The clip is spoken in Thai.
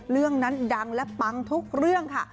เรื่องนั้นดังและปังทุกเรื่องค่ะ